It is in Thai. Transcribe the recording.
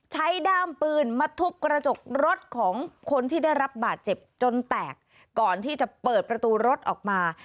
ด้ามปืนมาทุบกระจกรถของคนที่ได้รับบาดเจ็บจนแตกก่อนที่จะเปิดประตูรถออกมา